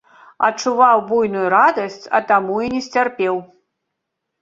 Адчуваў буйную радасць, а таму і не сцярпеў.